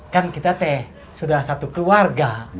kan kita teh sudah satu keluarga